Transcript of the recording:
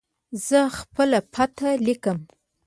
زه خپله پته لیکم.